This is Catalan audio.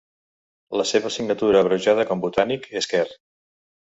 La seva signatura abreujada com botànic és Quer.